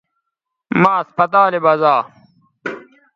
مہ اسپتالے بزا